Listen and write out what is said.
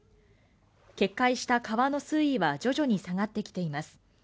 決壊した川の水位は、徐々に下がってきています。